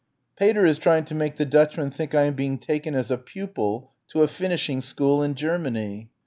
"Pater is trying to make the Dutchman think I am being taken as a pupil to a finishing school in Germany."